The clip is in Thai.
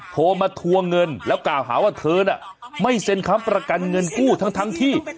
โทรมาทวงเงินแล้วกล่าวหาว่าเธอน่ะไม่เซ็นค้ำประกันเงินกู้ทั้งที่